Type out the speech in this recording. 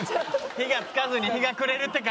火がつかずに日が暮れるってか！